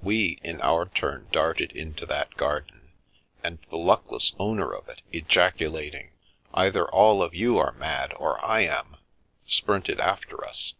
We, in our turn, darted into that garden; and the luckless owner of it, ejaculating " Either all of you are mad or I ami" sprinted after us.